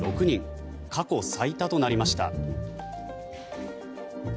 過去最多となりました。